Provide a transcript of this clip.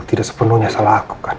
tidak sepenuhnya salah aku kan